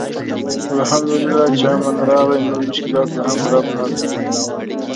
الحمدالله چې امن راغی، نور مشکلات به هم رب حل کړي.